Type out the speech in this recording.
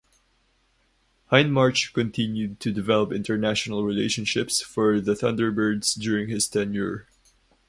Hindmarch continued to develop international relationships for the Thunderbirds during his tenure.